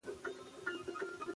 عدالت د ټولنې د باور بنسټ دی.